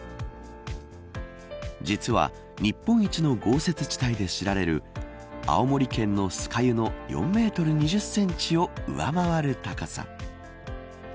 実は日本一の降雪地帯で知られる青森県の酸ケ湯の４メートル２０センチを上回る高さ。